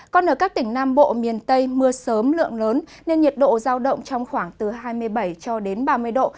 còn ở các tỉnh nam bộ miền tây mưa sớm lượng lớn nên nhiệt độ giao động trong khoảng từ hai mươi bảy cho đến ba mươi độ